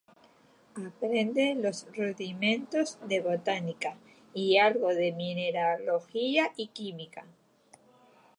Aprende los rudimentos de botánica, y algo de mineralogía y química.